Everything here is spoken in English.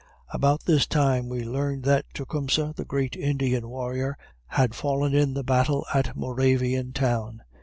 About this time we learned that Tecumseh, the great Indian warrior, had fallen in the battle at Moravian town.